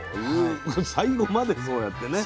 最後までそうやってね。